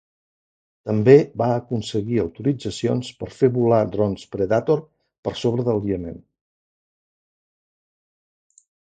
També va aconseguir autoritzacions per fer volar drons Predator per sobre del Iemen.